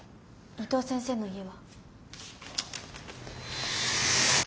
伊藤先生の家は？